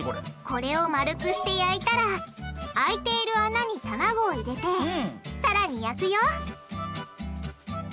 これを丸くして焼いたら空いている穴に卵を入れてさらに焼くよ！